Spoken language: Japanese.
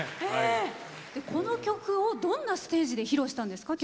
この曲をどんなステージで披露したんですか？